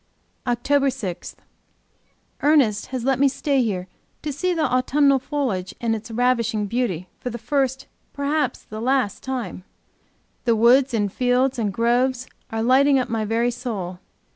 OCTOBER 6. Ernest has let me stay here to see the autumnal foliage in its ravishing beauty for the first, perhaps for the last, time. The woods and fields and groves are lighting up my very soul!